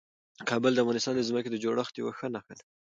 کابل د افغانستان د ځمکې د جوړښت یوه ښه نښه ده.